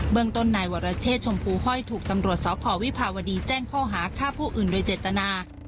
เมืองต้นนายวรเชษชมพูห้อยถูกตำรวจสพวิภาวดีแจ้งข้อหาฆ่าผู้อื่นโดยเจตนา